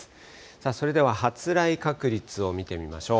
さあ、それでは発雷確率を見てみましょう。